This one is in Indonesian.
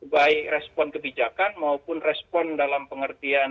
baik respon kebijakan maupun respon dalam pengertian